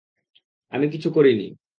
আমি কিছু করিনি!